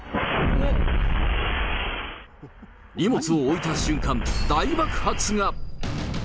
荷物を置いた瞬間、大爆発が。